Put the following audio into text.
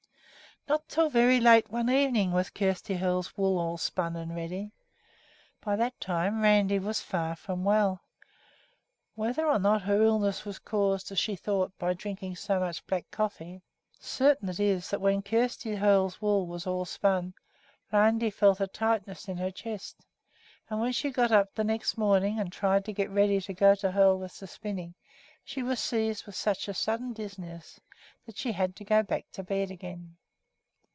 Not until very late one evening was Kjersti Hoel's wool all spun and ready. By that time Randi was far from well. Whether or not her illness was caused, as she thought, by drinking so much black coffee, certain it is that when Kjersti Hoel's wool was all spun Randi felt a tightness in her chest, and when she got up the next morning and tried to get ready to go to Hoel with the spinning, she was seized with such a sudden dizziness that she had to go back to bed again.